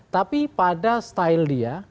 tapi pada style dia